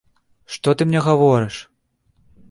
Што ты мне гаворыш?